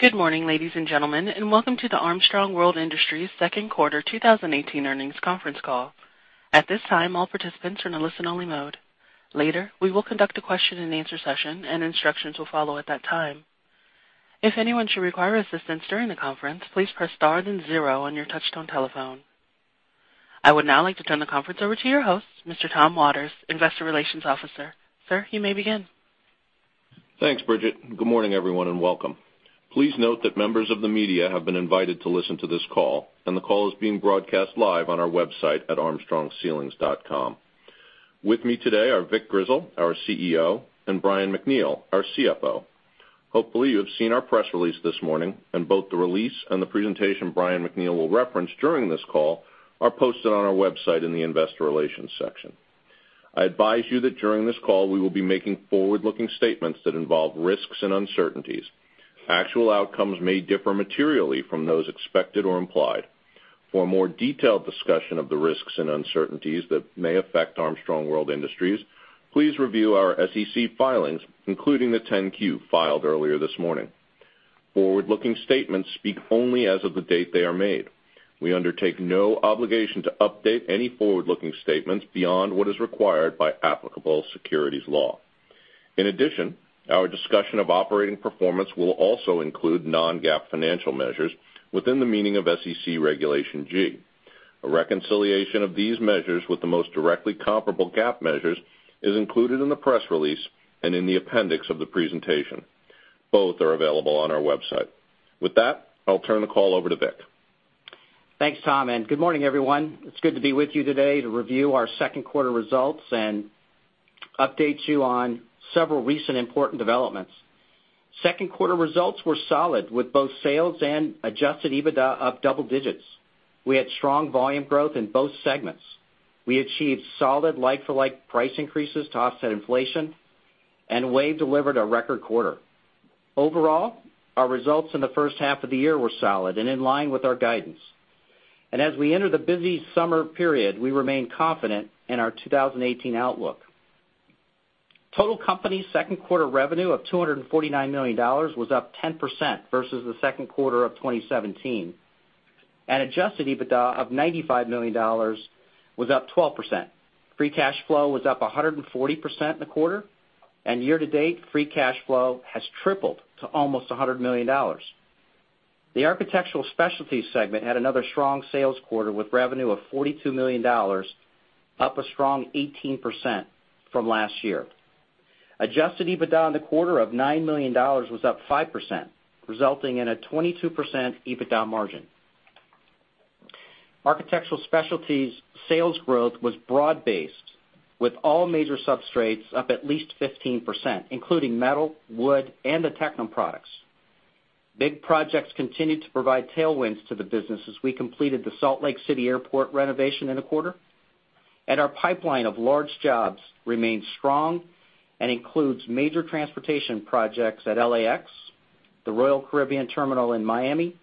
Good morning, ladies and gentlemen, and welcome to the Armstrong World Industries second quarter 2018 earnings conference call. At this time, all participants are in listen-only mode. Later, we will conduct a question and answer session, and instructions will follow at that time. If anyone should require assistance during the conference, please press star then zero on your touch-tone telephone. I would now like to turn the conference over to your host, Mr. Tom Waters, investor relations officer. Sir, you may begin. Thanks, Bridget. Good morning, everyone. Welcome. Please note that members of the media have been invited to listen to this call. The call is being broadcast live on our website at armstrongceilings.com. With me today are Vic Grizzle, our CEO, and Brian MacNeal, our CFO. Hopefully, you have seen our press release this morning. Both the release and the presentation Brian MacNeal will reference during this call are posted on our website in the investor relations section. I advise you that during this call, we will be making forward-looking statements that involve risks and uncertainties. Actual outcomes may differ materially from those expected or implied. For a more detailed discussion of the risks and uncertainties that may affect Armstrong World Industries, please review our SEC filings, including the 10-Q filed earlier this morning. Forward-looking statements speak only as of the date they are made. We undertake no obligation to update any forward-looking statements beyond what is required by applicable securities law. In addition, our discussion of operating performance will also include non-GAAP financial measures within the meaning of SEC Regulation G. A reconciliation of these measures with the most directly comparable GAAP measures is included in the press release and in the appendix of the presentation. Both are available on our website. With that, I'll turn the call over to Vic. Thanks, Tom. Good morning, everyone. It's good to be with you today to review our second quarter results and update you on several recent important developments. Second quarter results were solid, with both sales and adjusted EBITDA up double digits. We had strong volume growth in both segments. We achieved solid like-for-like price increases to offset inflation. WAVE delivered a record quarter. Overall, our results in the first half of the year were solid and in line with our guidance. As we enter the busy summer period, we remain confident in our 2018 outlook. Total company second quarter revenue of $249 million was up 10% versus the second quarter of 2017. Adjusted EBITDA of $95 million was up 12%. Free cash flow was up 140% in the quarter. Year to date, free cash flow has tripled to almost $100 million. The Architectural Specialties segment had another strong sales quarter with revenue of $42 million, up a strong 18% from last year. Adjusted EBITDA in the quarter of $9 million was up 5%, resulting in a 22% EBITDA margin. Architectural Specialties sales growth was broad-based, with all major substrates up at least 15%, including metal, wood, and the Tectum products. Big projects continued to provide tailwinds to the business as we completed the Salt Lake City Airport renovation in the quarter, and our pipeline of large jobs remains strong and includes major transportation projects at LAX, the Royal Caribbean terminal in Miami,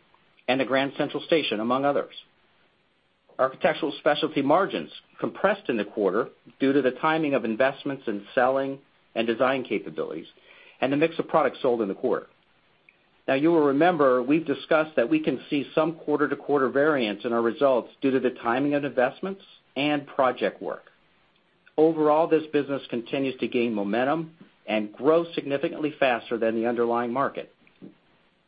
and at Grand Central Station, among others. Architectural Specialty margins compressed in the quarter due to the timing of investments in selling and design capabilities and the mix of products sold in the quarter. You will remember we've discussed that we can see some quarter-to-quarter variance in our results due to the timing of investments and project work. Overall, this business continues to gain momentum and grow significantly faster than the underlying market.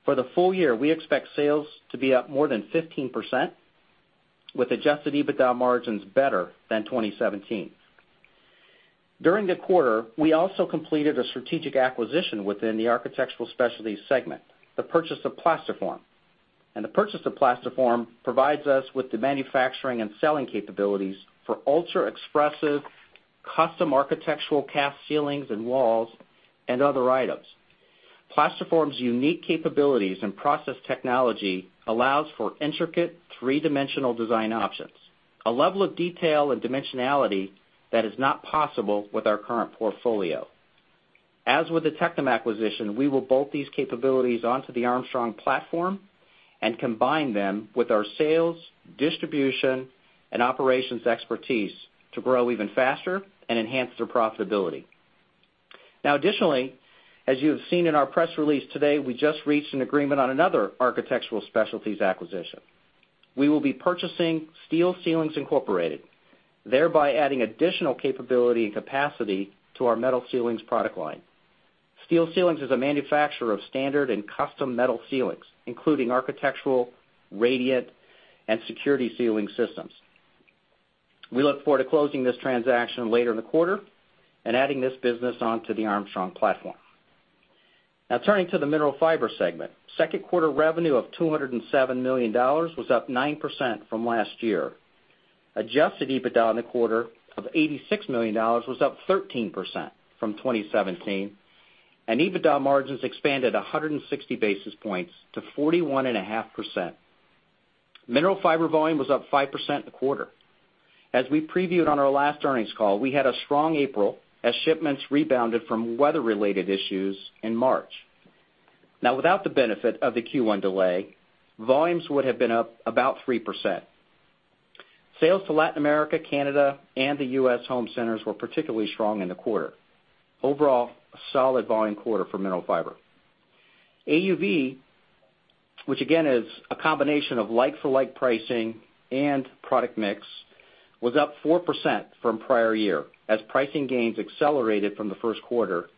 For the full year, we expect sales to be up more than 15%, with adjusted EBITDA margins better than 2017. During the quarter, we also completed a strategic acquisition within the Architectural Specialties segment, the purchase of Plasterform. The purchase of Plasterform provides us with the manufacturing and selling capabilities for ultra-expressive, custom architectural cast ceilings and walls and other items. Plasterform's unique capabilities and process technology allows for intricate three-dimensional design options, a level of detail and dimensionality that is not possible with our current portfolio. As with the Tectum acquisition, we will bolt these capabilities onto the Armstrong platform and combine them with our sales, distribution, and operations expertise to grow even faster and enhance their profitability. Additionally, as you have seen in our press release today, we just reached an agreement on another Architectural Specialties acquisition. We will be purchasing Steel Ceilings, Inc., thereby adding additional capability and capacity to our metal ceilings product line. Steel Ceilings is a manufacturer of standard and custom metal ceilings, including architectural, radiant, and security ceiling systems. We look forward to closing this transaction later in the quarter and adding this business onto the Armstrong platform. Turning to the Mineral Fiber segment. Second quarter revenue of $207 million was up 9% from last year. Adjusted EBITDA in the quarter of $86 million was up 13% from 2017, and EBITDA margins expanded 160 basis points to 41.5%. Mineral Fiber volume was up 5% in the quarter. As we previewed on our last earnings call, we had a strong April as shipments rebounded from weather-related issues in March. Without the benefit of the Q1 delay, volumes would have been up about 3%. Sales to Latin America, Canada, and the U.S. home centers were particularly strong in the quarter. Overall, a solid volume quarter for Mineral Fiber. AUV, which again is a combination of like-for-like pricing and product mix, was up 4% from prior year as pricing gains accelerated from the first quarter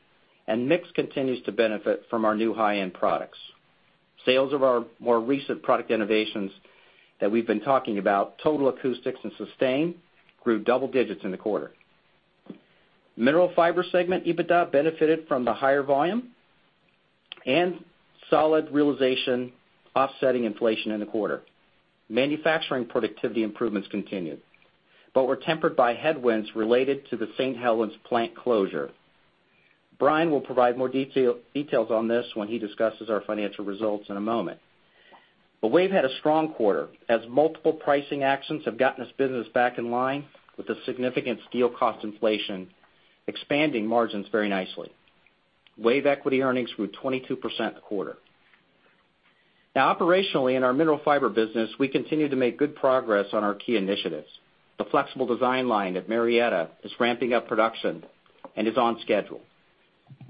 and mix continues to benefit from our new high-end products. Sales of our more recent product innovations that we've been talking about, Total Acoustics and Sustain, grew double digits in the quarter. Mineral Fiber segment EBITDA benefited from the higher volume and solid realization offsetting inflation in the quarter. Manufacturing productivity improvements continued, but were tempered by headwinds related to the St. Helens plant closure. Brian will provide more details on this when he discusses our financial results in a moment. WAVE had a strong quarter, as multiple pricing actions have gotten this business back in line with the significant steel cost inflation, expanding margins very nicely. WAVE equity earnings grew 22% in the quarter. Operationally in our Mineral Fiber business, we continue to make good progress on our key initiatives. The flexible design line at Marietta is ramping up production and is on schedule.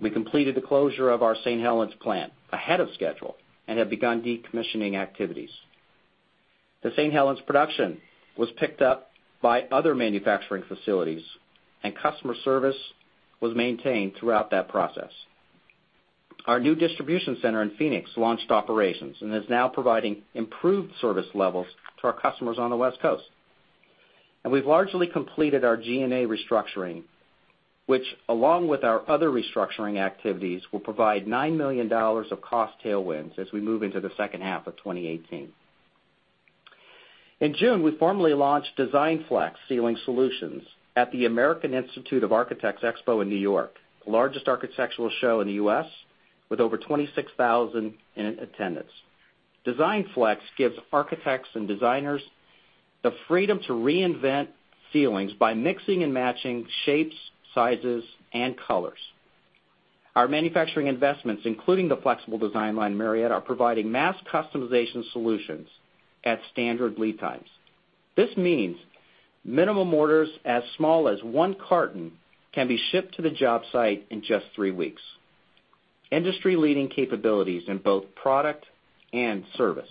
We completed the closure of our St. Helens plant ahead of schedule and have begun decommissioning activities. The St. Helens production was picked up by other manufacturing facilities, and customer service was maintained throughout that process. Our new distribution center in Phoenix launched operations and is now providing improved service levels to our customers on the West Coast. We've largely completed our G&A restructuring, which, along with our other restructuring activities, will provide $9 million of cost tailwinds as we move into the second half of 2018. In June, we formally launched DESIGNFLEX Ceiling Solutions at the American Institute of Architects Expo in N.Y., the largest architectural show in the U.S., with over 26,000 in attendance. DESIGNFLEX gives architects and designers the freedom to reinvent ceilings by mixing and matching shapes, sizes, and colors. Our manufacturing investments, including the flexible design line in Marietta, are providing mass customization solutions at standard lead times. This means minimum orders as small as one carton can be shipped to the job site in just three weeks. Industry-leading capabilities in both product and service.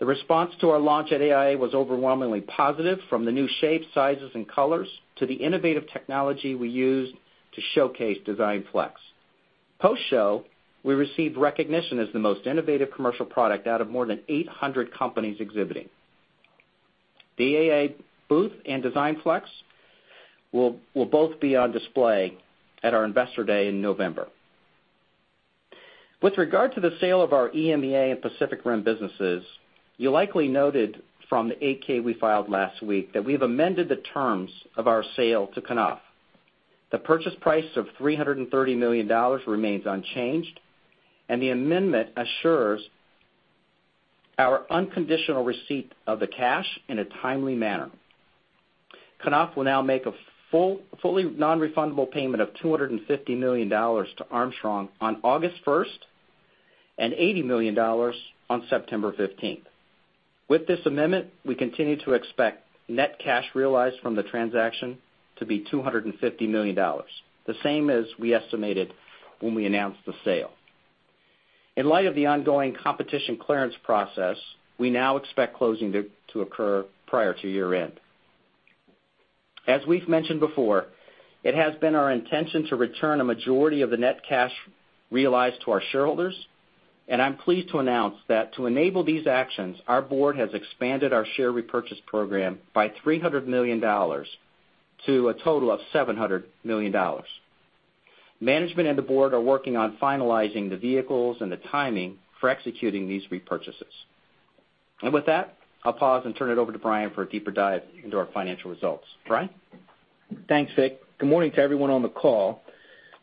The response to our launch at AIA was overwhelmingly positive, from the new shapes, sizes, and colors to the innovative technology we used to showcase DESIGNFLEX. Post-show, we received recognition as the most innovative commercial product out of more than 800 companies exhibiting. The AIA booth and DESIGNFLEX will both be on display at our Investor Day in November. With regard to the sale of our EMEA and Pacific Rim businesses, you likely noted from the 8-K we filed last week that we've amended the terms of our sale to Knauf. The purchase price of $330 million remains unchanged, the amendment assures our unconditional receipt of the cash in a timely manner. Knauf will now make a fully non-refundable payment of $250 million to Armstrong on August 1 and $80 million on September 15. With this amendment, we continue to expect net cash realized from the transaction to be $250 million, the same as we estimated when we announced the sale. In light of the ongoing competition clearance process, we now expect closing to occur prior to year-end. As we've mentioned before, it has been our intention to return a majority of the net cash realized to our shareholders, I'm pleased to announce that to enable these actions, our board has expanded our share repurchase program by $300 million to a total of $700 million. Management and the board are working on finalizing the vehicles and the timing for executing these repurchases. With that, I'll pause and turn it over to Brian for a deeper dive into our financial results. Brian? Thanks, Vic. Good morning to everyone on the call.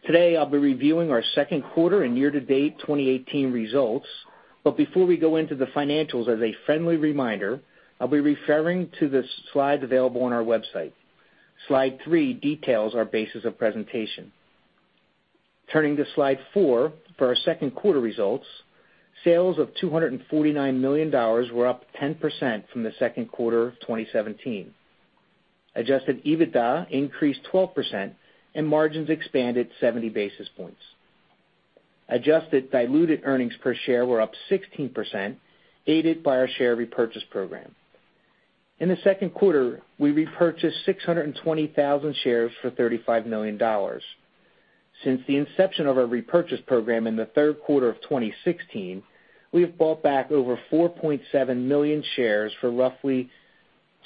Today, I'll be reviewing our second quarter and year-to-date 2018 results. Before we go into the financials, as a friendly reminder, I'll be referring to the slide available on our website. Slide three details our basis of presentation. Turning to slide four for our second quarter results. Sales of $249 million were up 10% from the second quarter of 2017. Adjusted EBITDA increased 12%, and margins expanded 70 basis points. Adjusted diluted earnings per share were up 16%, aided by our share repurchase program. In the second quarter, we repurchased 620,000 shares for $35 million. Since the inception of our repurchase program in the third quarter of 2016, we have bought back over 4.7 million shares for roughly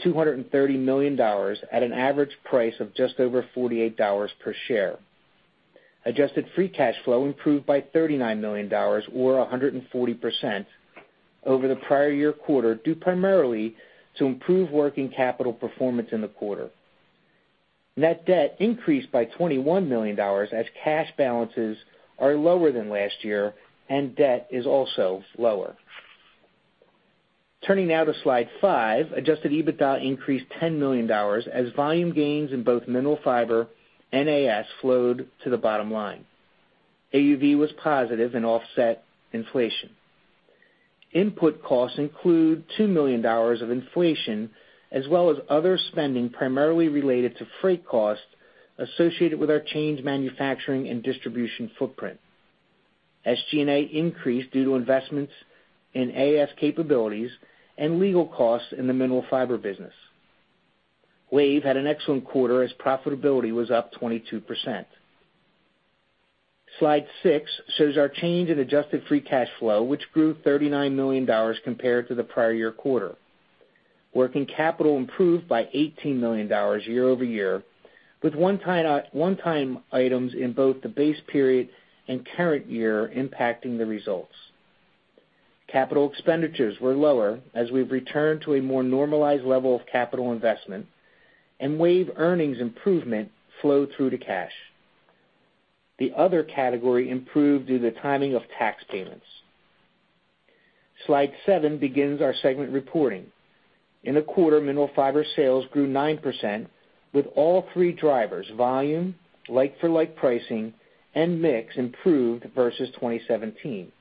$230 million at an average price of just over $48 per share. Adjusted free cash flow improved by $39 million or 140% over the prior year quarter, due primarily to improved working capital performance in the quarter. Net debt increased by $21 million, as cash balances are lower than last year, and debt is also lower. Turning now to slide five, adjusted EBITDA increased $10 million as volume gains in both Mineral Fiber and AS flowed to the bottom line. AUV was positive and offset inflation. Input costs include $2 million of inflation, as well as other spending primarily related to freight costs associated with our change manufacturing and distribution footprint. SG&A increased due to investments in AS capabilities and legal costs in the Mineral Fiber business. WAVE had an excellent quarter as profitability was up 22%. Slide six shows our change in adjusted free cash flow, which grew $39 million compared to the prior year quarter. Working capital improved by $18 million year-over-year, with one-time items in both the base period and current year impacting the results. Capital expenditures were lower as we've returned to a more normalized level of capital investment, and WAVE earnings improvement flowed through to cash. The other category improved due to the timing of tax payments. Slide seven begins our segment reporting. In the quarter, Mineral Fiber sales grew 9%, with all three drivers, volume, like-for-like pricing, and mix improved versus 2017.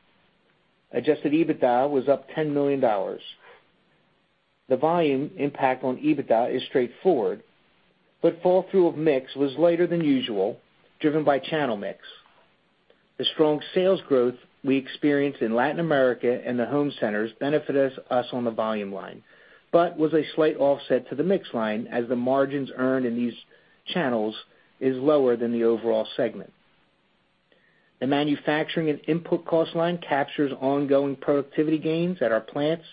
Adjusted EBITDA was up $10 million. The volume impact on EBITDA is straightforward, but fall through of mix was later than usual, driven by channel mix. The strong sales growth we experienced in Latin America and the home centers benefited us on the volume line, but was a slight offset to the mix line, as the margins earned in these channels is lower than the overall segment. The manufacturing and input cost line captures ongoing productivity gains at our plants,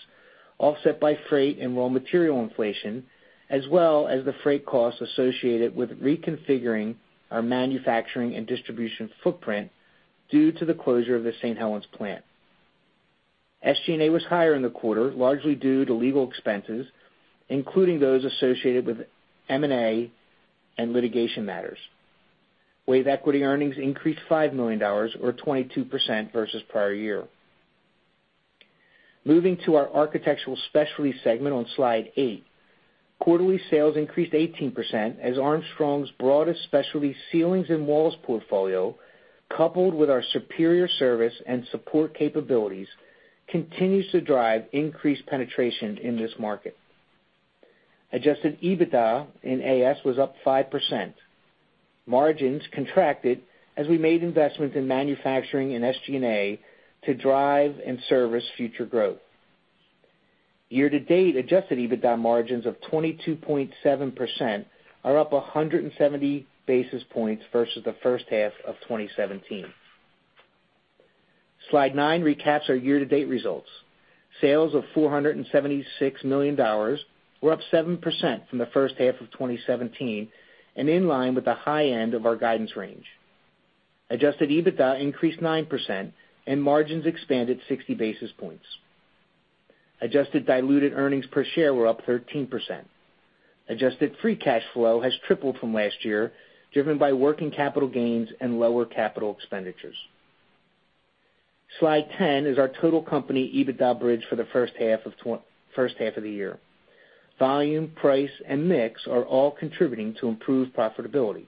offset by freight and raw material inflation, as well as the freight costs associated with reconfiguring our manufacturing and distribution footprint due to the closure of the St. Helens plant. SG&A was higher in the quarter, largely due to legal expenses, including those associated with M&A and litigation matters. WAVE equity earnings increased $5 million, or 22% versus prior year. Moving to our Architectural Specialty segment on Slide eight. Quarterly sales increased 18% as Armstrong's broadest specialty ceilings and walls portfolio, coupled with our superior service and support capabilities, continues to drive increased penetration in this market. Adjusted EBITDA in AS was up 5%. Margins contracted as we made investments in manufacturing and SG&A to drive and service future growth. Year-to-date, adjusted EBITDA margins of 22.7% are up 170 basis points versus the first half of 2017. Slide nine recaps our year-to-date results. Sales of $476 million were up 7% from the first half of 2017 and in line with the high end of our guidance range. Adjusted EBITDA increased 9%, and margins expanded 60 basis points. Adjusted diluted earnings per share were up 13%. Adjusted free cash flow has tripled from last year, driven by working capital gains and lower capital expenditures. Slide 10 is our total company EBITDA bridge for the first half of the year. Volume, price, and mix are all contributing to improved profitability.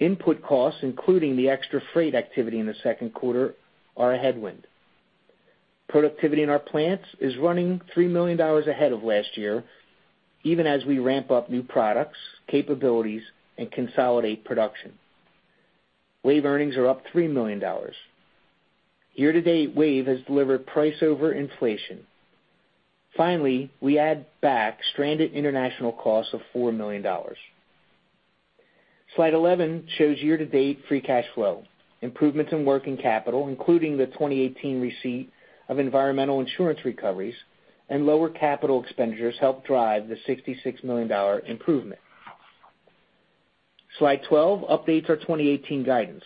Input costs, including the extra freight activity in the second quarter, are a headwind. Productivity in our plants is running $3 million ahead of last year, even as we ramp up new products, capabilities, and consolidate production. WAVE earnings are up $3 million. Year-to-date, WAVE has delivered price over inflation. Finally, we add back stranded international costs of $4 million. Slide 11 shows year-to-date free cash flow. Improvements in working capital, including the 2018 receipt of environmental insurance recoveries and lower capital expenditures, helped drive the $66 million improvement. Slide 12 updates our 2018 guidance.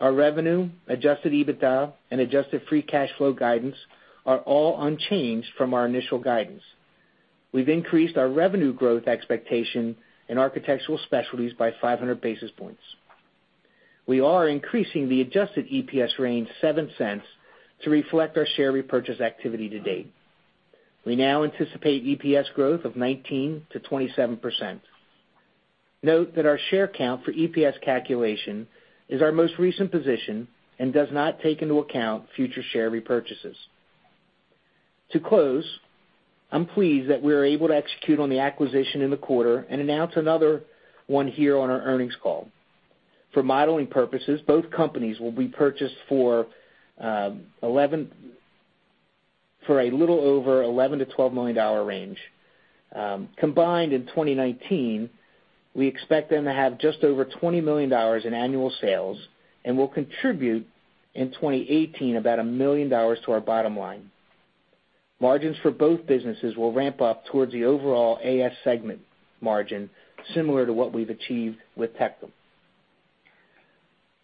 Our revenue, adjusted EBITDA, and adjusted free cash flow guidance are all unchanged from our initial guidance. We've increased our revenue growth expectation in Architectural Specialties by 500 basis points. We are increasing the adjusted EPS range $0.07 to reflect our share repurchase activity to date. We now anticipate EPS growth of 19%-27%. Note that our share count for EPS calculation is our most recent position and does not take into account future share repurchases. To close, I'm pleased that we are able to execute on the acquisition in the quarter and announce another one here on our earnings call. For modeling purposes, both companies will be purchased for a little over $11 million-$12 million range. Combined in 2019, we expect them to have just over $20 million in annual sales and will contribute in 2018 about $1 million to our bottom line. Margins for both businesses will ramp up towards the overall AS segment margin, similar to what we've achieved with Tectum.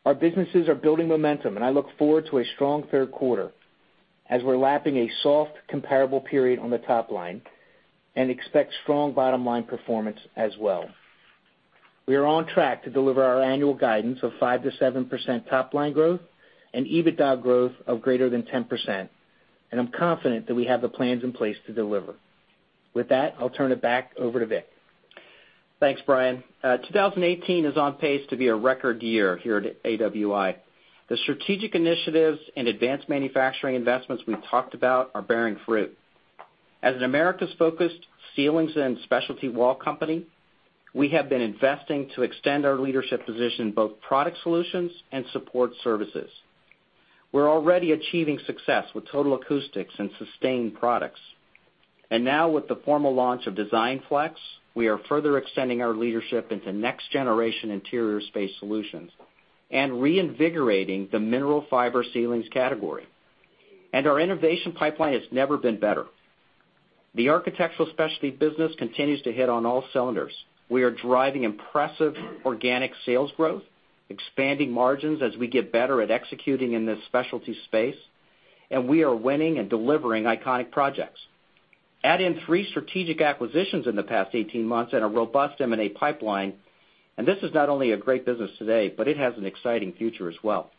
Our businesses are building momentum, and I look forward to a strong third quarter as we're lapping a soft comparable period on the top line and expect strong bottom-line performance as well. We are on track to deliver our annual guidance of 5%-7% top-line growth and EBITDA growth of greater than 10%. I'm confident that we have the plans in place to deliver. With that, I'll turn it back over to Vic. Thanks, Brian. 2018 is on pace to be a record year here at AWI. The strategic initiatives and advanced manufacturing investments we've talked about are bearing fruit. As an Americas-focused ceilings and specialty wall company, we have been investing to extend our leadership position in both product solutions and support services. We're already achieving success with Total Acoustics and Sustain products. Now with the formal launch of DESIGNFLEX, we are further extending our leadership into next-generation interior space solutions and reinvigorating the mineral fiber ceilings category. Our innovation pipeline has never been better. The architectural specialty business continues to hit on all cylinders. We are driving impressive organic sales growth, expanding margins as we get better at executing in this specialty space, and we are winning and delivering iconic projects. Add in three strategic acquisitions in the past 18 months and a robust M&A pipeline, this is not only a great business today, but it has an exciting future as well.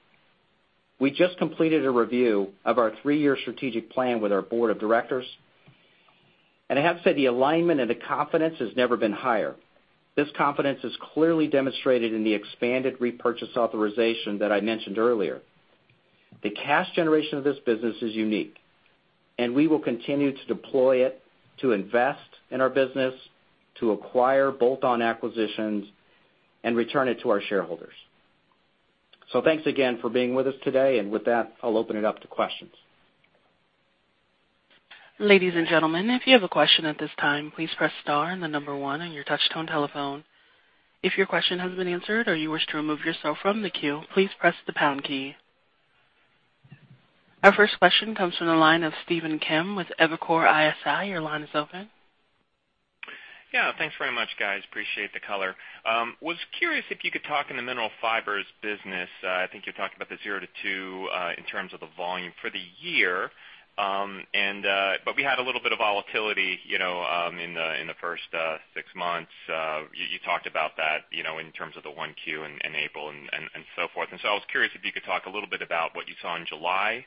We just completed a review of our three-year strategic plan with our board of directors, and I have to say, the alignment and the confidence has never been higher. This confidence is clearly demonstrated in the expanded repurchase authorization that I mentioned earlier. The cash generation of this business is unique, and we will continue to deploy it to invest in our business, to acquire bolt-on acquisitions, and return it to our shareholders. Thanks again for being with us today. With that, I'll open it up to questions. Ladies and gentlemen, if you have a question at this time, please press star and the number one on your touch-tone telephone. If your question has been answered or you wish to remove yourself from the queue, please press the pound key. Our first question comes from the line of Stephen Kim with Evercore ISI. Your line is open. Yeah. Thanks very much, guys. Appreciate the color. Was curious if you could talk in the mineral fibers business, I think you talked about the 0%-2% in terms of the volume for the year. We had a little bit of volatility in the first six months. You talked about that in terms of the 1Q and April and so forth. So I was curious if you could talk a little bit about what you saw in July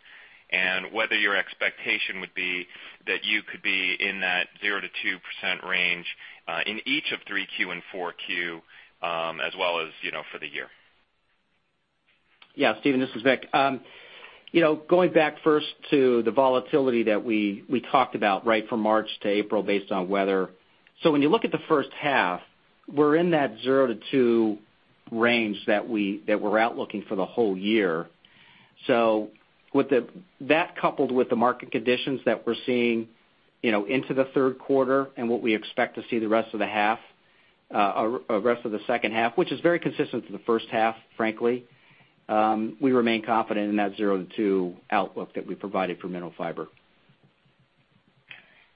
and whether your expectation would be that you could be in that 0%-2% range, in each of 3Q and 4Q, as well as for the year. Yeah. Stephen, this is Vic. Going back first to the volatility that we talked about from March to April based on weather. When you look at the first half, we're in that 0%-2% range that we're out looking for the whole year. With that coupled with the market conditions that we're seeing into the third quarter and what we expect to see the rest of the second half, which is very consistent to the first half, frankly, we remain confident in that 0%-2% outlook that we provided for Mineral Fiber. Okay.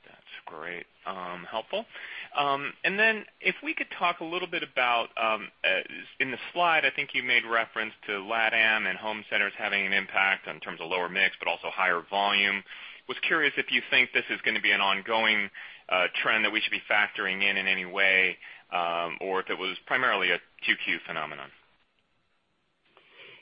That's great. Helpful. If we could talk a little bit about, in the slide, I think you made reference to LATAM and home centers having an impact in terms of lower mix, but also higher volume. Was curious if you think this is going to be an ongoing trend that we should be factoring in any way, or if it was primarily a 2Q phenomenon.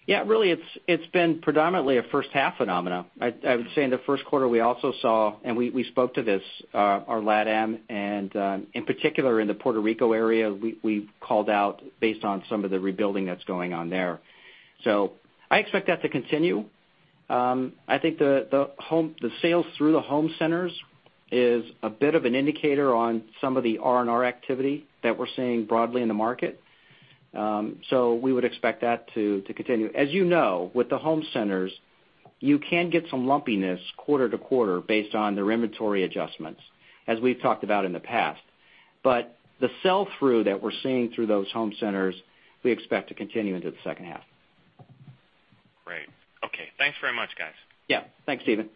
Yeah. Really, it's been predominantly a first half phenomena. I would say in the first quarter, we also saw, and we spoke to this, our LATAM and, in particular in the Puerto Rico area, we called out based on some of the rebuilding that's going on there. I expect that to continue. I think the sales through the home centers is a bit of an indicator on some of the R&R activity that we're seeing broadly in the market. We would expect that to continue. As you know, with the home centers, you can get some lumpiness quarter to quarter based on their inventory adjustments, as we've talked about in the past. The sell-through that we're seeing through those home centers, we expect to continue into the second half. Great. Okay. Thanks very much, guys. Yeah. Thanks, Stephen.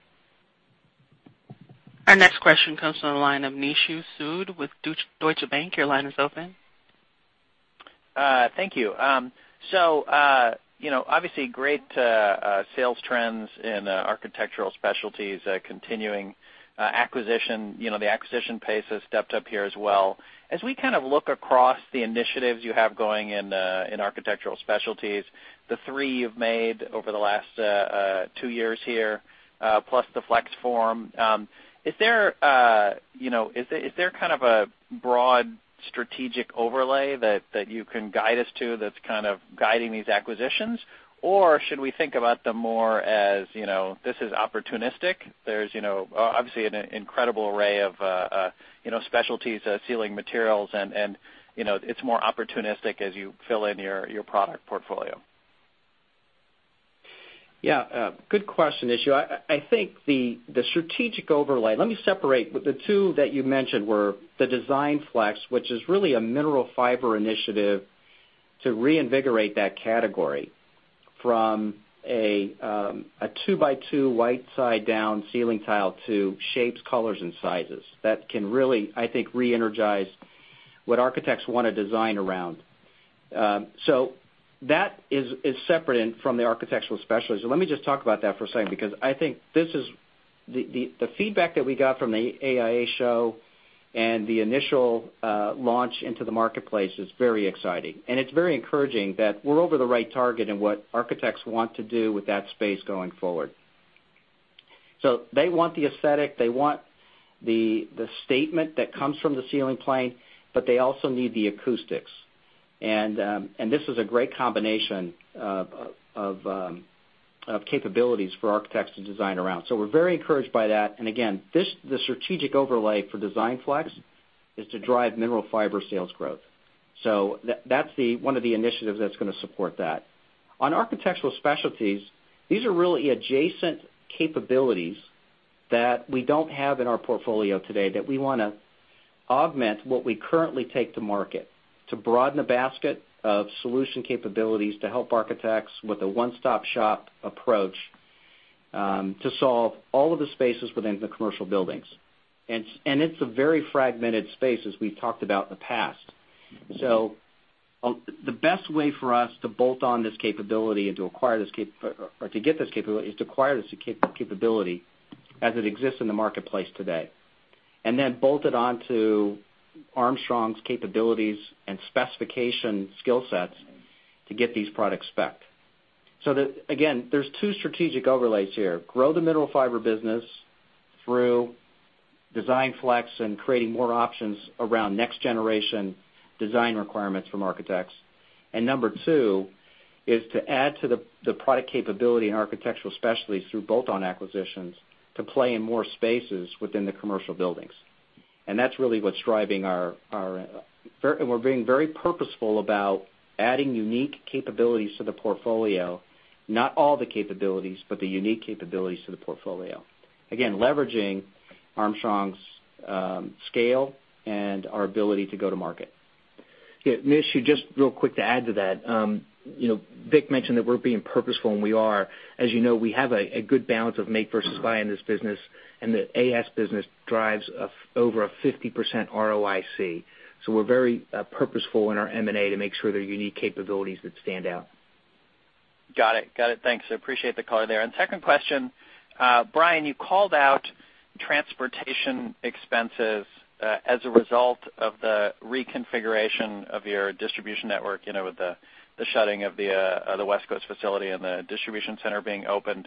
Our next question comes from the line of Nishu Sood with Deutsche Bank. Your line is open. Thank you. Obviously great sales trends in Architectural Specialties, continuing acquisition. The acquisition pace has stepped up here as well. As we kind of look across the initiatives you have going in Architectural Specialties, the three you've made over the last two years here, plus the 3form. Is there kind of a broad strategic overlay that you can guide us to that's kind of guiding these acquisitions? Or should we think about them more as this is opportunistic? There's obviously an incredible array of specialties, ceiling materials, and it's more opportunistic as you fill in your product portfolio. Good question, Nishu. I think the strategic overlay. Let me separate. The two that you mentioned were the DESIGNFLEX, which is really a Mineral Fiber initiative to reinvigorate that category from a two by two white side down ceiling tile to shapes, colors, and sizes that can really, I think, reenergize what architects want to design around. That is separate from the Architectural Specialties. Let me just talk about that for a second, because I think the feedback that we got from the AIA show and the initial launch into the marketplace is very exciting. It's very encouraging that we're over the right target and what architects want to do with that space going forward. They want the aesthetic, they want the statement that comes from the ceiling plane, but they also need the acoustics. This is a great combination of capabilities for architects to design around. We're very encouraged by that. Again, the strategic overlay for DESIGNFLEX is to drive Mineral Fiber sales growth. That's one of the initiatives that's going to support that. On Architectural Specialties, these are really adjacent capabilities that we don't have in our portfolio today, that we want to augment what we currently take to market to broaden the basket of solution capabilities, to help architects with a one-stop shop approach, to solve all of the spaces within the commercial buildings. It's a very fragmented space, as we've talked about in the past. The best way for us to bolt on this capability or to get this capability, is to acquire this capability as it exists in the marketplace today. Bolt it onto Armstrong's capabilities and specification skill sets to get these products spec'd. Again, there's two strategic overlays here. Grow the Mineral Fiber business through DESIGNFLEX and creating more options around next generation design requirements from architects. Number two, is to add to the product capability and Architectural Specialties through bolt-on acquisitions to play in more spaces within the commercial buildings. We're being very purposeful about adding unique capabilities to the portfolio. Not all the capabilities, but the unique capabilities to the portfolio. Again, leveraging Armstrong's scale and our ability to go to market. Nishu, just real quick to add to that. Vic mentioned that we're being purposeful, we are. You know, we have a good balance of make versus buy in this business, the AS business drives over a 50% ROIC. We're very purposeful in our M&A to make sure they're unique capabilities that stand out. Got it. Thanks. I appreciate the color there. Second question. Brian, you called out transportation expenses as a result of the reconfiguration of your distribution network, with the shutting of the West Coast facility and the distribution center being opened.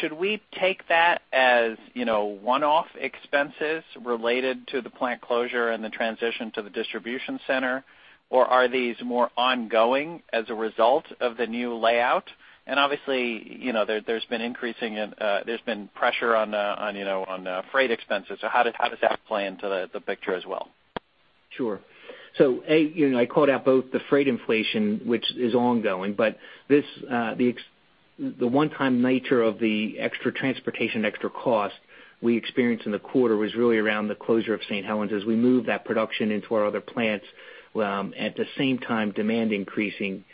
Should we take that as one-off expenses related to the plant closure and the transition to the distribution center, or are these more ongoing as a result of the new layout? Obviously, there's been pressure on freight expenses. How does that play into the picture as well? Sure. I called out both the freight inflation, which is ongoing, but the one-time nature of the extra transportation, extra cost we experienced in the quarter was really around the closure of St. Helens. As we moved that production into our other plants, at the same time, demand increasing,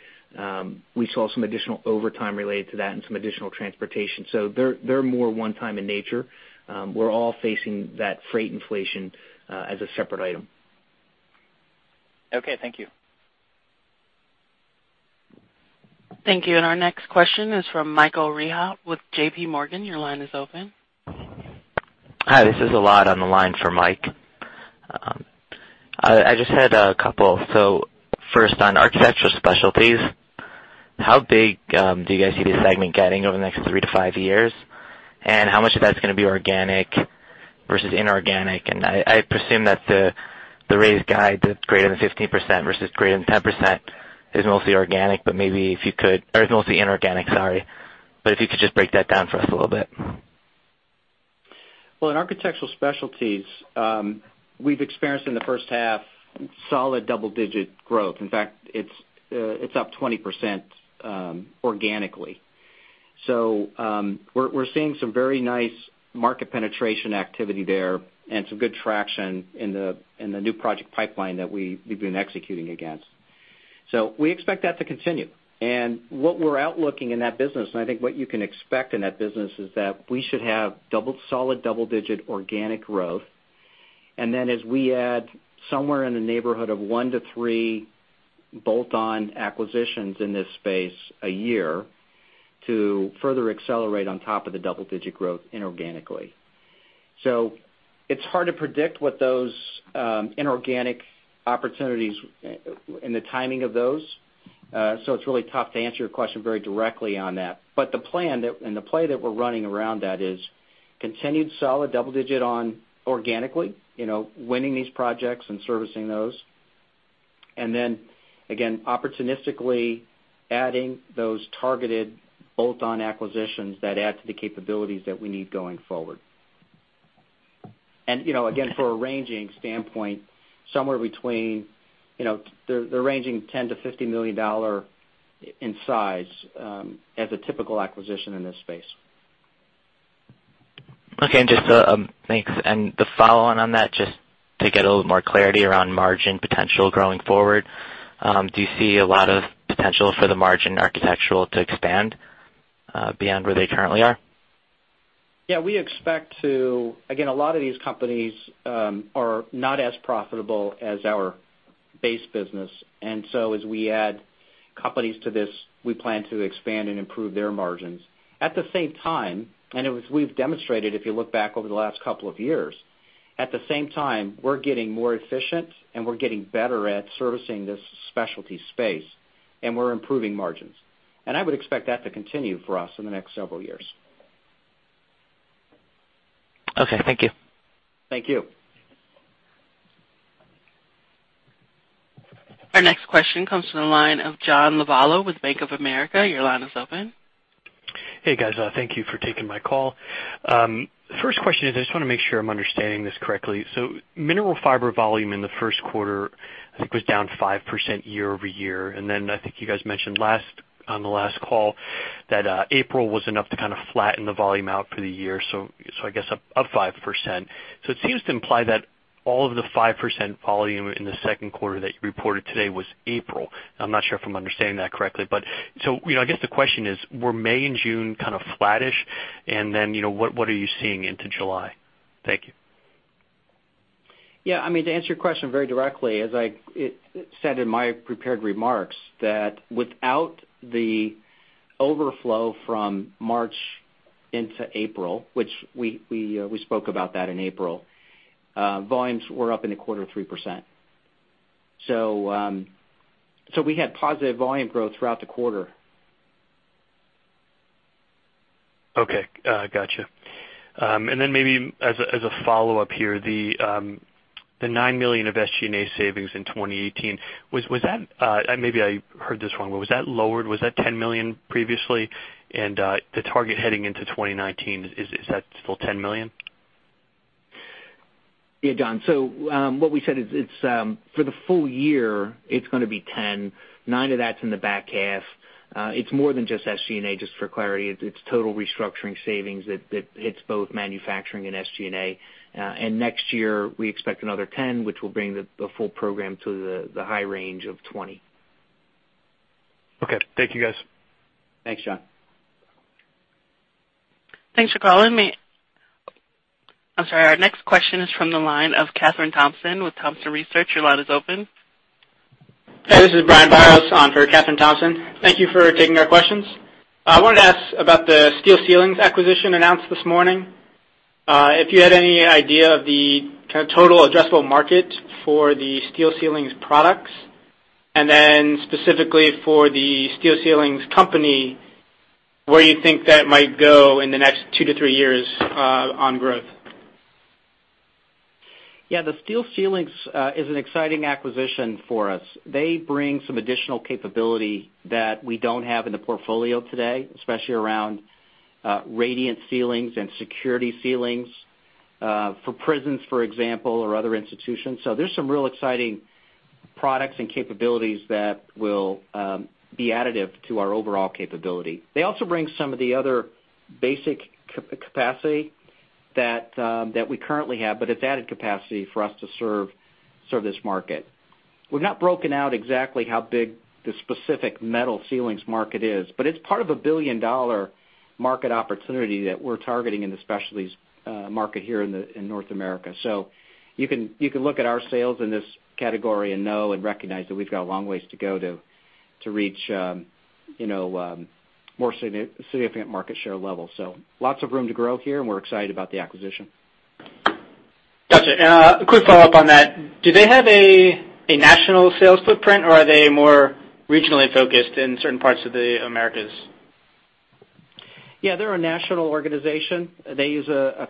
we saw some additional overtime related to that and some additional transportation. They're more one time in nature. We're all facing that freight inflation, as a separate item. Okay, thank you. Thank you. Our next question is from Michael Rehaut with JPMorgan. Your line is open. Hi, this is Elad on the line for Mike. I just had a couple. First, on Architectural Specialties, how big do you guys see this segment getting over the next three to five years? How much of that's going to be organic versus inorganic? I presume that the raised guide that's greater than 15% versus greater than 10% is mostly inorganic, but if you could just break that down for us a little bit. In Architectural Specialties, we've experienced in the first half solid double-digit growth. In fact, it's up 20% organically. We're seeing some very nice market penetration activity there and some good traction in the new project pipeline that we've been executing against. We expect that to continue. What we're outlooking in that business, and I think what you can expect in that business, is that we should have solid double-digit organic growth. Then as we add somewhere in the neighborhood of one to three bolt-on acquisitions in this space a year to further accelerate on top of the double-digit growth inorganically. It's hard to predict what those inorganic opportunities and the timing of those, it's really tough to answer your question very directly on that. The plan and the play that we're running around that is continued solid double-digit on organically, winning these projects and servicing those. Then again, opportunistically adding those targeted bolt-on acquisitions that add to the capabilities that we need going forward. Again, for a ranging standpoint, they're ranging $10 million-$50 million in size, as a typical acquisition in this space. Okay, thanks. The follow-on on that, just to get a little more clarity around margin potential growing forward. Do you see a lot of potential for the margin architectural to expand beyond where they currently are? Yeah. Again, a lot of these companies are not as profitable as our base business. As we add companies to this, we plan to expand and improve their margins. At the same time, and as we've demonstrated if you look back over the last couple of years, we're getting more efficient and we're getting better at servicing this specialty space, and we're improving margins. I would expect that to continue for us in the next several years. Okay, thank you. Thank you. Our next question comes from the line of John Lovallo with Bank of America. Your line is open. Hey, guys. Thank you for taking my call. First question is, I just want to make sure I'm understanding this correctly. Mineral Fiber volume in the first quarter, I think, was down 5% year-over-year. I think you guys mentioned on the last call that April was enough to kind of flatten the volume out for the year, so I guess up 5%. It seems to imply that all of the 5% volume in the second quarter that you reported today was April. I'm not sure if I'm understanding that correctly. I guess the question is, were May and June kind of flattish? What are you seeing into July? Thank you. To answer your question very directly, as I said in my prepared remarks, that without the overflow from March into April, which we spoke about that in April, volumes were up in the quarter 3%. We had positive volume growth throughout the quarter. Okay. Got you. Then maybe as a follow-up here, the $9 million of SG&A savings in 2018. Maybe I heard this wrong, but was that lowered? Was that $10 million previously? The target heading into 2019, is that still $10 million? John. What we said is, for the full year, it is going to be $10 million. Nine of that is in the back half. It is more than just SG&A, just for clarity. It is total restructuring savings that hits both manufacturing and SG&A. Next year, we expect another $10 million, which will bring the full program to the high range of $20 million. Okay. Thank you, guys. Thanks, John. Thanks for calling. I'm sorry. Our next question is from the line of Kathryn Thompson with Thompson Research. Your line is open. Hi, this is Brian Biros on for Kathryn Thompson. Thank you for taking our questions. I wanted to ask about the Steel Ceilings acquisition announced this morning. If you had any idea of the kind of total addressable market for the Steel Ceilings products, and then specifically for the Steel Ceilings company, where you think that might go in the next two to three years on growth? The Steel Ceilings is an exciting acquisition for us. They bring some additional capability that we don't have in the portfolio today, especially around radiant ceilings and security ceilings for prisons, for example, or other institutions. There's some real exciting products and capabilities that will be additive to our overall capability. They also bring some of the other basic capacity that we currently have, but it's added capacity for us to serve this market. We've not broken out exactly how big the specific metal ceilings market is, but it's part of a billion-dollar market opportunity that we're targeting in the specialties market here in North America. You can look at our sales in this category and know and recognize that we've got a long ways to go to reach more significant market share levels. Lots of room to grow here, and we're excited about the acquisition. Got you. A quick follow-up on that. Do they have a national sales footprint, or are they more regionally focused in certain parts of the Americas? Yeah, they're a national organization. They use a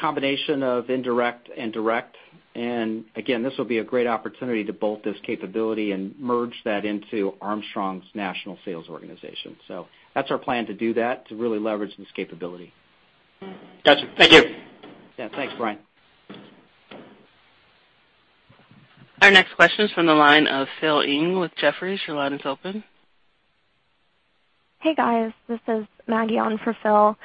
combination of indirect and direct. Again, this will be a great opportunity to bolt this capability and merge that into Armstrong's national sales organization. That's our plan to do that, to really leverage this capability. Got you. Thank you. Yeah, thanks, Brian. Our next question is from the line of Phil Ng with Jefferies. Your line is open. Hey, guys. This is Maggie on for Phil.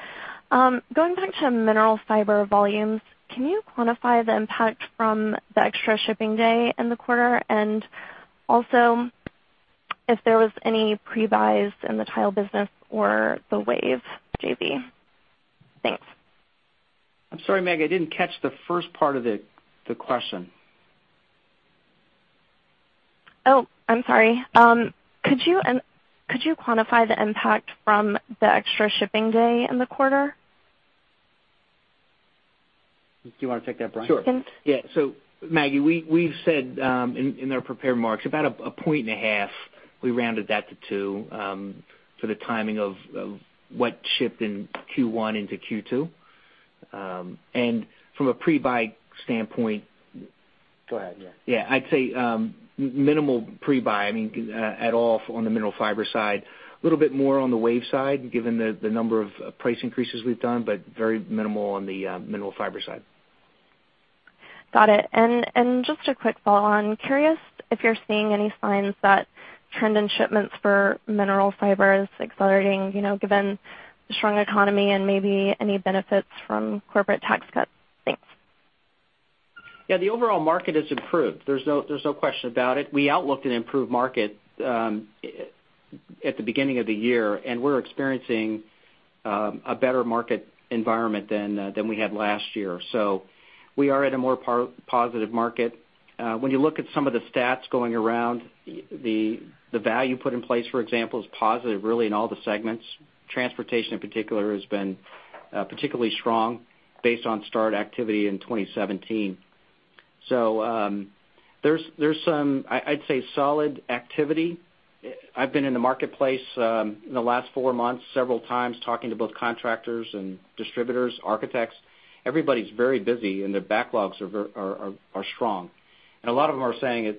Going back to Mineral Fiber volumes, can you quantify the impact from the extra shipping day in the quarter? Also if there was any pre-buys in the tile business or the WAVE JV? Thanks. I'm sorry, Maggie, I didn't catch the first part of the question. Oh, I'm sorry. Could you quantify the impact from the extra shipping day in the quarter? Do you want to take that, Brian? Sure. Yeah. Maggie, we've said in our prepared remarks, about a point and a half, we rounded that to two, for the timing of what shipped in Q1 into Q2. From a pre-buy standpoint- Go ahead, yeah I'd say minimal pre-buy, I mean, at all on the Mineral Fiber side, a little bit more on the WAVE side, given the number of price increases we've done, very minimal on the Mineral Fiber side. Got it. Just a quick follow-on. Curious if you're seeing any signs that trend in shipments for mineral fiber is accelerating, given the strong economy and maybe any benefits from corporate tax cuts? Thanks. Yeah, the overall market has improved. There's no question about it. We outlooked an improved market at the beginning of the year, we're experiencing a better market environment than we had last year. We are at a more positive market. When you look at some of the stats going around, the value put in place, for example, is positive, really, in all the segments. Transportation in particular has been particularly strong based on start activity in 2017. There's some, I'd say, solid activity. I've been in the marketplace in the last four months, several times, talking to both contractors and distributors, architects. Everybody's very busy, and their backlogs are strong. A lot of them are saying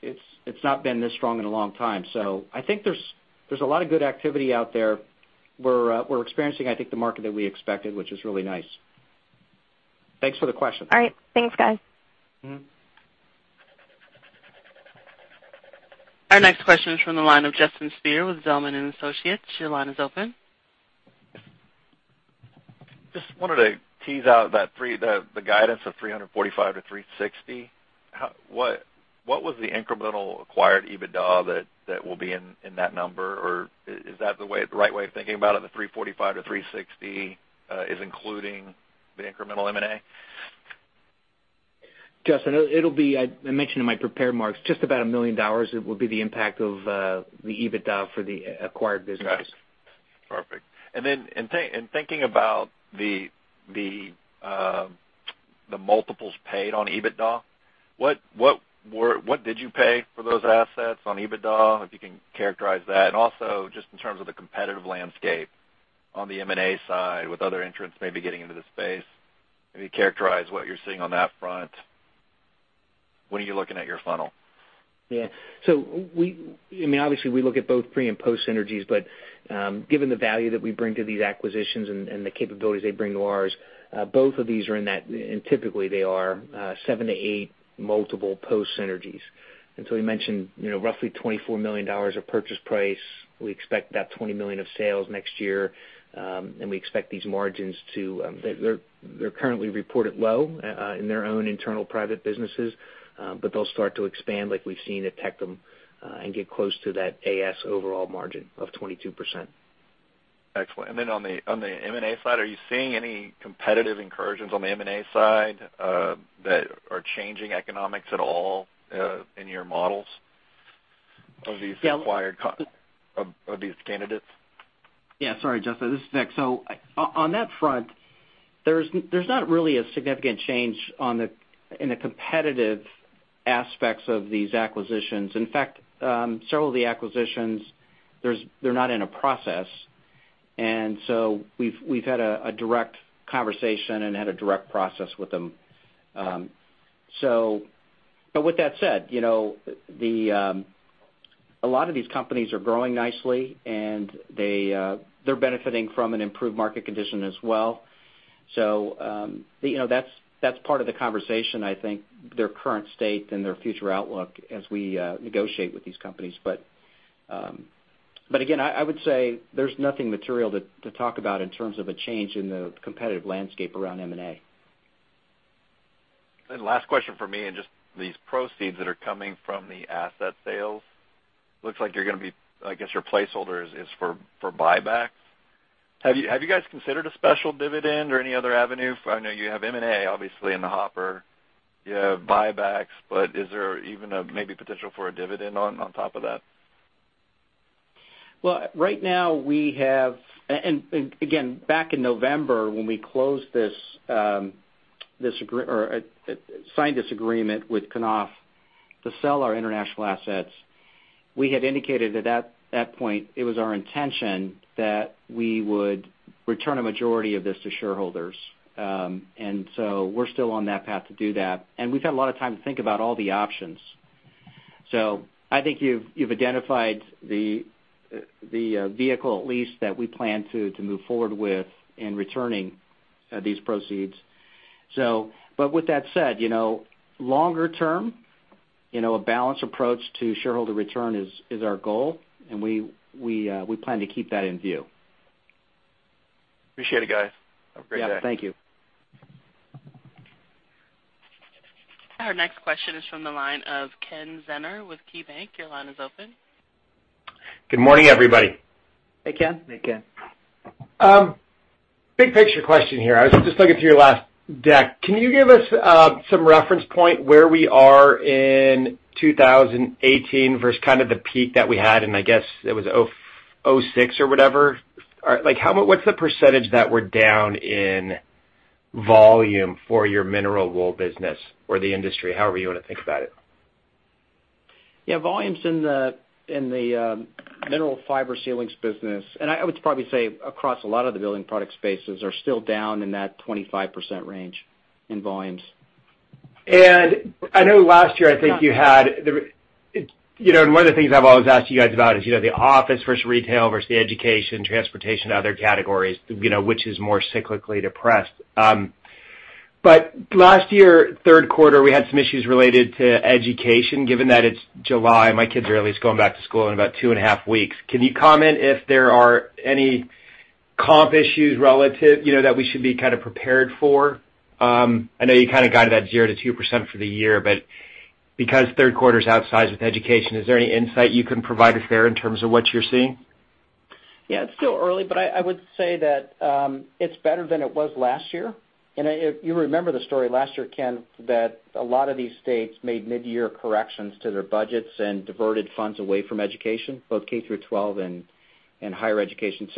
it's not been this strong in a long time. I think there's a lot of good activity out there. We're experiencing, I think, the market that we expected, which is really nice. Thanks for the question. All right. Thanks, guys. Our next question is from the line of Justin Speer with Zelman & Associates. Your line is open. Just wanted to tease out the guidance of $345-$360. What was the incremental acquired EBITDA that will be in that number, or is that the right way of thinking about it, the $345-$360, is including the incremental M&A? Justin, it'll be, I mentioned in my prepared remarks, just about $1 million will be the impact of the EBITDA for the acquired business. Got it. Perfect. Then, in thinking about the multiples paid on EBITDA, what did you pay for those assets on EBITDA, if you can characterize that? Also, just in terms of the competitive landscape on the M&A side, with other entrants maybe getting into the space, can you characterize what you're seeing on that front when you're looking at your funnel? Yeah. Obviously, we look at both pre- and post-synergies, but given the value that we bring to these acquisitions and the capabilities they bring to ours, both of these are in that, and typically they are, seven to eight multiple post synergies. We mentioned roughly $24 million of purchase price. We expect about $20 million of sales next year. We expect these margins. They're currently reported low in their own internal private businesses, but they'll start to expand like we've seen at Tectum and get close to that AS overall margin of 22%. Excellent. On the M&A side, are you seeing any competitive incursions on the M&A side that are changing economics at all in your models of these- Yeah, I'll- -acquired, of these candidates? Yeah. Sorry, Justin, this is Vic. On that front, there's not really a significant change in the competitive aspects of these acquisitions. In fact, several of the acquisitions, they're not in a process. We've had a direct conversation and had a direct process with them. With that said, a lot of these companies are growing nicely, and they're benefiting from an improved market condition as well. That's part of the conversation, I think, their current state and their future outlook as we negotiate with these companies. Again, I would say there's nothing material to talk about in terms of a change in the competitive landscape around M&A. Last question from me, these proceeds that are coming from the asset sales. Looks like you're gonna be, I guess your placeholder is for buybacks. Have you guys considered a special dividend or any other avenue? I know you have M&A obviously in the hopper. You have buybacks, is there even a potential for a dividend on top of that? Right now we have again, back in November, when we signed this agreement with Knauf to sell our international assets, we had indicated at that point it was our intention that we would return a majority of this to shareholders. We're still on that path to do that. We've had a lot of time to think about all the options. I think you've identified the vehicle at least that we plan to move forward with in returning these proceeds. With that said, longer term, a balanced approach to shareholder return is our goal, and we plan to keep that in view. Appreciate it, guys. Have a great day. Yeah, thank you. Our next question is from the line of Ken Zener with KeyBank. Your line is open. Good morning, everybody. Hey, Ken. Hey, Ken. Big picture question here. I was just looking through your last deck. Can you give us some reference point where we are in 2018 versus kind of the peak that we had in, I guess it was 2006 or whatever? What's the percentage that we're down in volume for your Mineral Fiber business or the industry, however you want to think about it? Volumes in the Mineral Fiber ceilings business, and I would probably say across a lot of the building product spaces, are still down in that 25% range in volumes. I know last year, I think you had, and one of the things I've always asked you guys about is, the office versus retail versus the education, transportation, other categories, which is more cyclically depressed. Last year, third quarter, we had some issues related to education. Given that it's July, my kids are at least going back to school in about two and a half weeks. Can you comment if there are any comp issues relative, that we should be kind of prepared for? I know you kind of guided that 0%-2% for the year, because third quarter's outsized with education, is there any insight you can provide us there in terms of what you're seeing? It's still early, but I would say that it's better than it was last year. You remember the story last year, Ken, that a lot of these states made mid-year corrections to their budgets and diverted funds away from education, both K through 12 and higher education.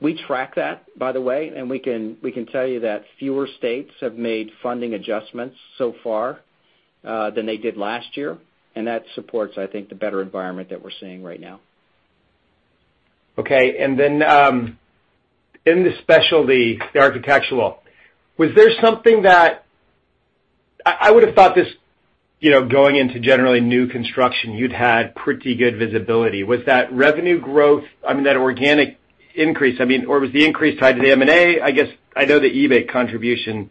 We track that, by the way, we can tell you that fewer states have made funding adjustments so far than they did last year, that supports, I think, the better environment that we're seeing right now. Okay, then in the specialty, the architectural, was there something that I would have thought this, going into generally new construction, you'd had pretty good visibility. Was that revenue growth, I mean that organic increase, or was the increase tied to the M&A? I guess I know the EBITDA contribution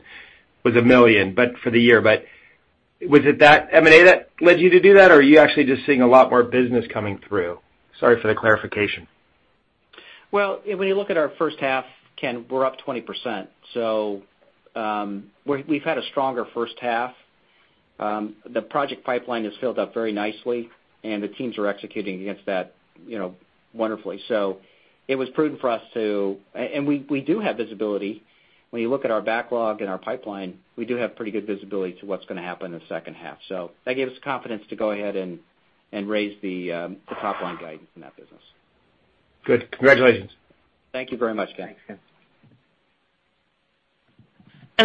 was $1 million, for the year, was it that M&A that led you to do that, or are you actually just seeing a lot more business coming through? Sorry for the clarification. Well, when you look at our first half, Ken, we're up 20%, we've had a stronger first half. The project pipeline is filled up very nicely, the teams are executing against that wonderfully. We do have visibility. When you look at our backlog and our pipeline, we do have pretty good visibility to what's going to happen in the second half. That gave us confidence to go ahead and raise the top-line guidance in that business. Good. Congratulations. Thank you very much, Ken. Thanks, Ken.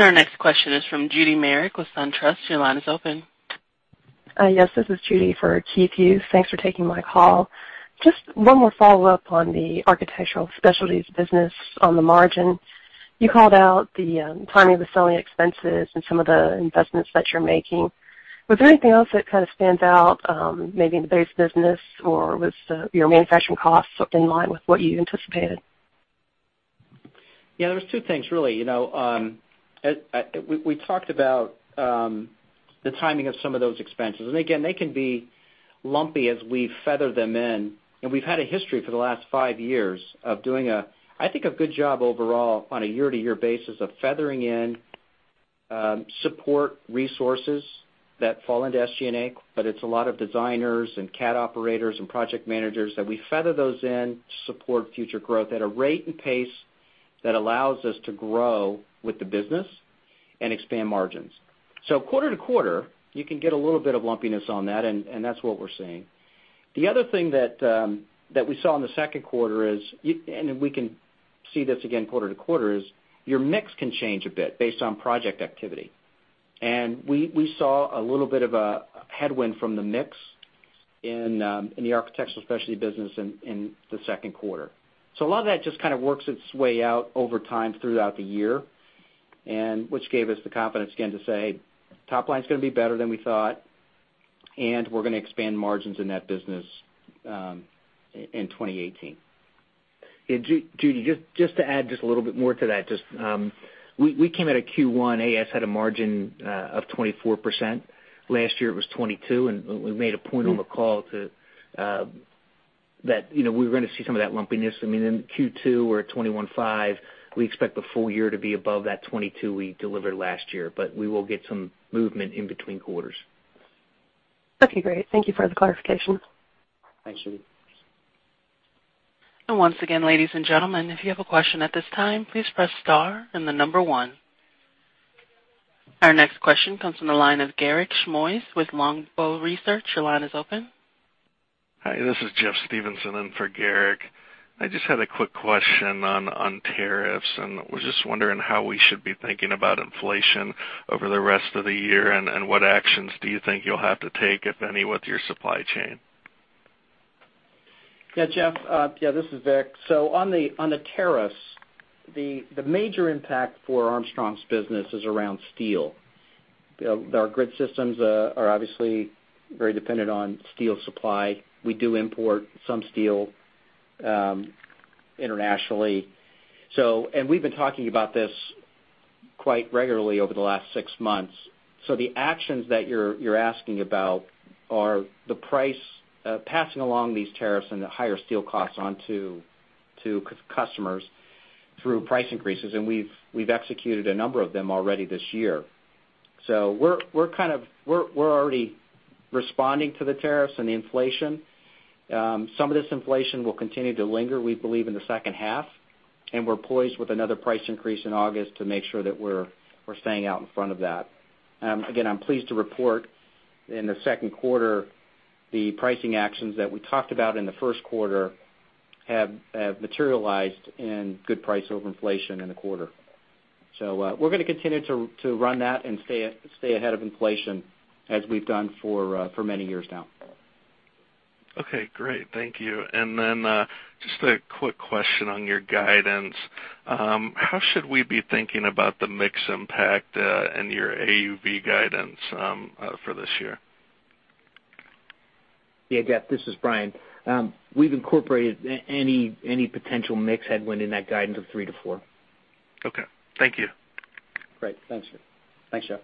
Our next question is from Judith Merrick with SunTrust. Your line is open. Yes, this is Judy for Keith Hughes. Thanks for taking my call. Just one more follow-up on the Architectural Specialties business on the margin. You called out the timing of the selling expenses and some of the investments that you're making. Was there anything else that kind of stands out, maybe in the base business, or was your manufacturing costs in line with what you anticipated? There's two things, really. We talked about the timing of some of those expenses. Again, they can be lumpy as we feather them in. We've had a history for the last five years of doing, I think, a good job overall on a year-to-year basis of feathering in support resources that fall into SG&A. It's a lot of designers and CAD operators and project managers that we feather those in to support future growth at a rate and pace that allows us to grow with the business and expand margins. Quarter to quarter, you can get a little bit of lumpiness on that, and that's what we're seeing. The other thing that we saw in the second quarter is, and we can see this again quarter to quarter, is your mix can change a bit based on project activity. We saw a little bit of a headwind from the mix in the Architectural Specialties business in the second quarter. A lot of that just kind of works its way out over time throughout the year, and which gave us the confidence again to say, "Top line's going to be better than we thought, and we're going to expand margins in that business in 2018. Judy, just to add just a little bit more to that. We came out of Q1, AS had a margin of 24%. Last year it was 22%, we made a point on the call that we were going to see some of that lumpiness. In Q2, we're at 21.5%. We expect the full year to be above that 22% we delivered last year. We will get some movement in between quarters. Okay, great. Thank you for the clarification. Thanks, Judy. Once again, ladies and gentlemen, if you have a question at this time, please press star and the number 1. Our next question comes from the line of Garik Shmois with Longbow Research. Your line is open. Hi, this is Jeff Stevenson in for Garik. I just had a quick question on tariffs, and was just wondering how we should be thinking about inflation over the rest of the year, and what actions do you think you'll have to take, if any, with your supply chain? Jeff. This is Vic. On the tariffs, the major impact for Armstrong's business is around steel. Our grid systems are obviously very dependent on steel supply. We do import some steel internationally. We've been talking about this quite regularly over the last six months. The actions that you're asking about are the price passing along these tariffs and the higher steel costs on to customers through price increases, and we've executed a number of them already this year. We're already responding to the tariffs and the inflation. Some of this inflation will continue to linger, we believe, in the second half, and we're poised with another price increase in August to make sure that we're staying out in front of that. Again, I'm pleased to report in the second quarter the pricing actions that we talked about in the first quarter have materialized in good price over inflation in the quarter. We're going to continue to run that and stay ahead of inflation as we've done for many years now. Okay, great. Thank you. Just a quick question on your guidance. How should we be thinking about the mix impact, and your AUV guidance for this year? Jeff, this is Brian. We've incorporated any potential mix headwind in that guidance of 3%-4%. Okay. Thank you. Great. Thanks, Jeff.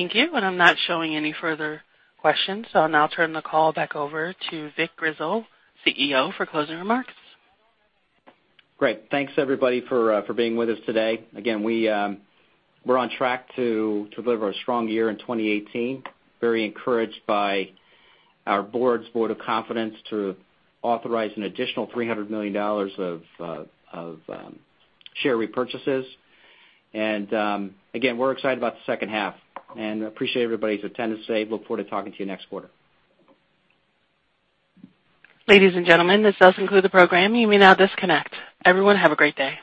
Thank you. I'm not showing any further questions, so I'll now turn the call back over to Vic Grizzle, CEO, for closing remarks. Great. Thanks, everybody, for being with us today. Again, we're on track to deliver a strong year in 2018. Very encouraged by our board's vote of confidence to authorize an additional $300 million of share repurchases. Again, we're excited about the second half and appreciate everybody's attendance today. Look forward to talking to you next quarter. Ladies and gentlemen, this does conclude the program. You may now disconnect. Everyone, have a great day.